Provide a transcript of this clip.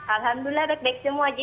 alhamdulillah baik baik semua ji